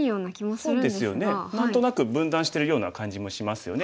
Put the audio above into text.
そうですよね何となく分断しているような感じもしますよね。